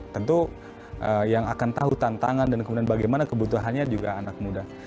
tentu yang akan tahu tantangan dan kemudian bagaimana kebutuhannya juga anak muda